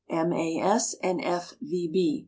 M. A. S., and F. V. B.